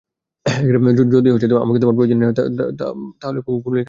যদি আমাকে তোমার প্রয়োজনই না হয়, তো কারান কে কেন গুলি করলা?